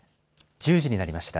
１０時になりました。